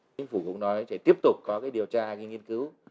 chính phủ cũng nói sẽ tiếp tục có cái điều tra cái nghiên cứu